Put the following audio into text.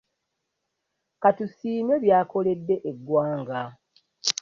Ka tusiime byakoledde eggwanga